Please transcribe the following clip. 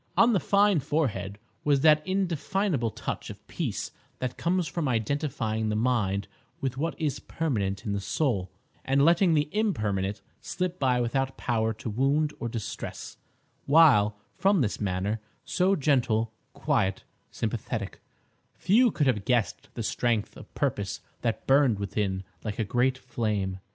On the fine forehead was that indefinable touch of peace that comes from identifying the mind with what is permanent in the soul, and letting the impermanent slip by without power to wound or distress; while, from his manner,—so gentle, quiet, sympathetic,—few could have guessed the strength of purpose that burned within like a great flame.